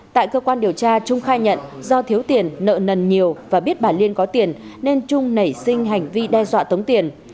tại cơ quan điều tra trung khai nhận do thiếu tiền nợ nần nhiều và biết bà liên có tiền nên trung nảy sinh hành vi đe dọa tống tiền